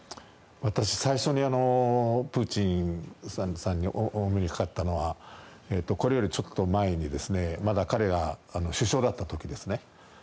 私、最初にプーチンさんにお目にかかったのはこれよりちょっと前にまだ彼が首相だった時ですね。